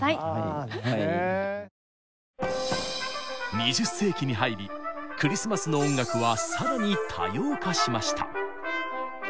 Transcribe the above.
２０世紀に入りクリスマスの音楽は更に多様化しました。